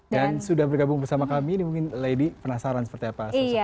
dan sudah bergabung bersama kami ini mungkin lady penasaran seperti apa